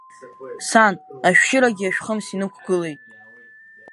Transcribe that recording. Сан, ашәшьырагьы ашәхымс инықәгылеит!